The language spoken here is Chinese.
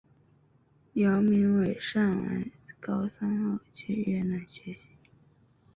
姚明伟上完高三后去越南学习。